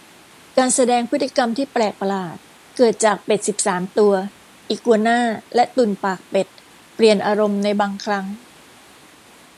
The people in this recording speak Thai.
การแสดงพฤติกรรมที่แปลกประหลาด เกิดจาก เป็ดสิบสามตัว อีกัวน่า และตุ่นปากเป็ด เปลี่ยนอารมณ์ในบางครั้ง